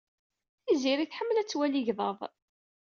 Tiziri tḥemmel ad twali igḍaḍ.